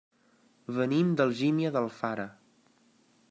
Venim d'Algímia d'Alfara.